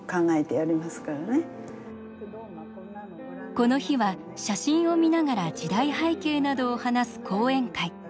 この日は写真を見ながら時代背景などを話す講演会。